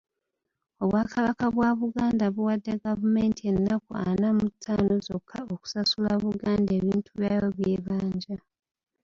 Obwakabaka bwa Buganda buwadde gavumenti ennaku ana mu ttaano zokka okusasula Buganda ebintu byayo by'ebanja.